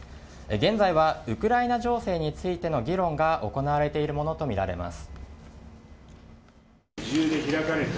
現在はウクライナ情勢についての議論が行われているものとみられます。